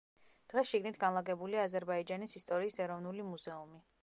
დღეს შიგნით განლაგებულია აზერბაიჯანის ისტორიის ეროვნული მუზეუმი.